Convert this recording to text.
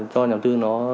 cho nhà đầu tư nó